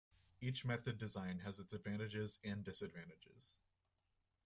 Each method design has its advantages and disadvantages.